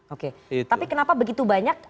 oke tapi kenapa begitu banyak